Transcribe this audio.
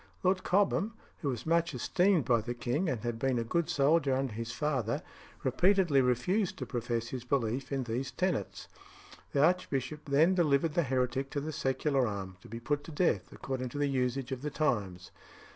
Lord Cobham, who was much esteemed by the king, and had been a good soldier under his father, repeatedly refused to profess his belief in these tenets. The archbishop then delivered the heretic to the secular arm, to be put to death, according to the usage of the times.